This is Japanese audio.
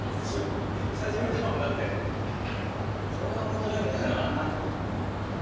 久しぶりだもんだってこれが面白いんだよなぁ